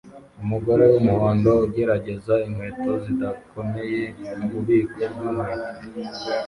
Umugore wumuhondo ugerageza inkweto zidakomeye mububiko bwinkweto